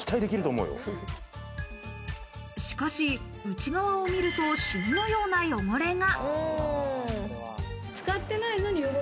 しかし内側を見ると、シミのような汚れが。